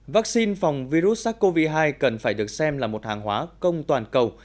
vaccine phòng virus sars cov hai cần phải được xem là một hàng hóa công toàn cầu